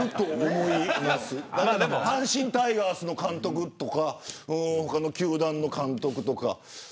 阪神タイガースの監督とか他の球団の監督とか。